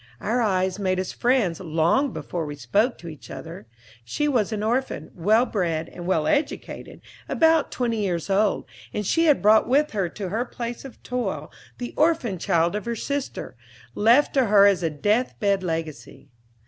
Our eyes made us friends long before we spoke to each other. She was an orphan, well bred and well educated, about twenty years old, and she had brought with her to her place of toil the orphan child of her sister, left to her as a death bed legacy.